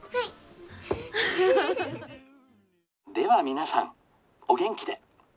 皆さんお元気で」。